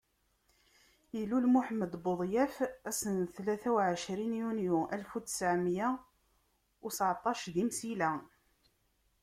Ilul Muḥemmed budyaf ass n tlata u ɛecrin yunyu alef u ttɛemya u tteɛṭac di Msila.